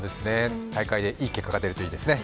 大会でいい結果が出るといいですね。